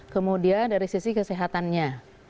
kemudian dari sisi kesehatannya